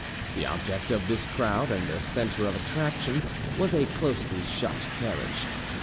The object of this crowd and the centre of attraction was a closely shut, carriage.